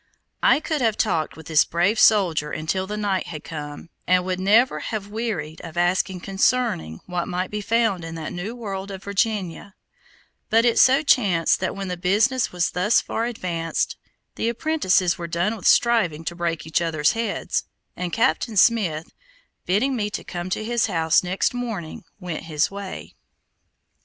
I could have talked with this brave soldier until the night had come, and would never have wearied of asking concerning what might be found in that new world of Virginia; but it so chanced that when the business was thus far advanced, the apprentices were done with striving to break each other's heads, and Captain Smith, bidding me come to his house next morning, went his way.